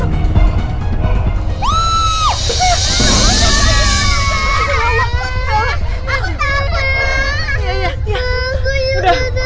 aku juga takut